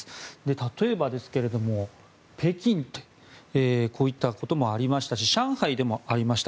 例えばですが北京こういったこともありましたし上海でもありました。